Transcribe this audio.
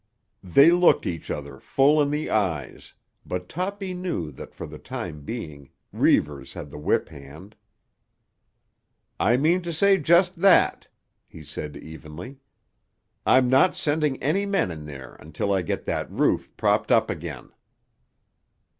They looked each other full in the eyes, but Toppy knew that for the time being Reivers had the whiphand. "I mean to say just that," he said evenly. "I'm not sending any men in there until I get that roof propped up again."